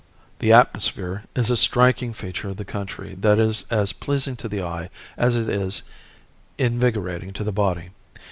The atmosphere is a striking feature of the country that is as pleasing to the eye as it is invigorating to the body.